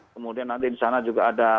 kemudian nanti di sana juga ada